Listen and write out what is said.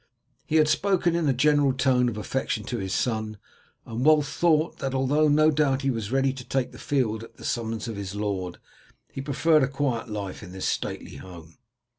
He had spoken in a genial tone of affection to his son, and Wulf thought, that although no doubt he was ready to take the field at the summons of his lord, he preferred a quiet life in this stately home.